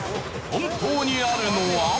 本当にあるのは。